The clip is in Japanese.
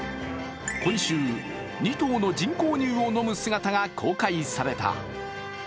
今週、２頭の人工乳を飲む姿が公開された。